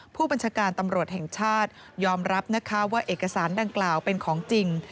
ผู้บัญชาการตำรวจแห่งชาติยอมรับนะคะว่าเอกสารดังกล่าวเป็นของจริง